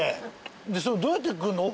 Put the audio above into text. どうやって来んの？